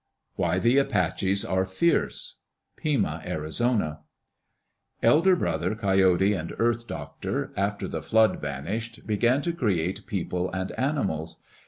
Why the Apaches are Fierce Pima (Arizona) Elder Brother, Coyote, and Earth Doctor, after the flood vanished, began to create people and animals.